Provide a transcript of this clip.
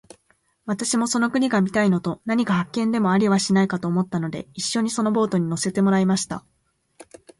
私もその国が見たいのと、何か発見でもありはしないかと思ったので、一しょにそのボートに乗せてもらいました。